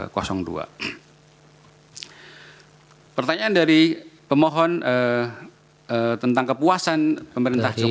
pertanyaan dari pemohon tentang kepuasan pemerintah jokowi